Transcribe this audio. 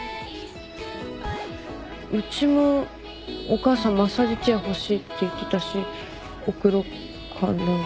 うちもお母さんマッサージチェア欲しいって言ってたし送ろっかな